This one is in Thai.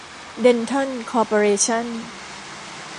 เดนทัล คอร์ปอเรชั่น